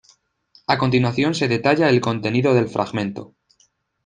A continuación se detalla el contenido del fragmento.